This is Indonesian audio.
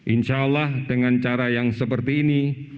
insyaallah dengan cara yang seperti ini